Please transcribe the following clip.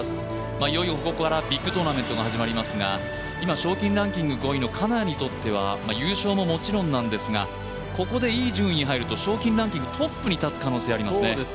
いよいよここからビッグトーナメントが始まりますが今、賞金ランキング５位の金谷にとっては優勝ももちろんなんですがここでいい順位に入ると賞金ランキングトップに立つ可能性ありますね。